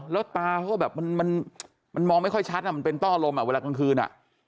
แล้วตาเขาก็แบบมันมองไม่ค่อยชัดมันเป็นต้อลมเวลากลางคืน